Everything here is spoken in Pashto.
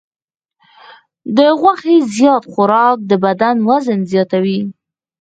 د غوښې زیات خوراک د بدن وزن زیاتوي.